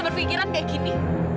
berfikiran kaya kini